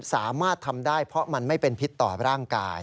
สามารถทำได้เพราะมันไม่เป็นพิษต่อร่างกาย